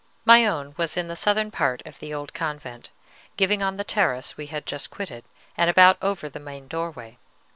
My own was in the southern part of the old convent, giving on the terrace we had just quitted, and about over the main doorway.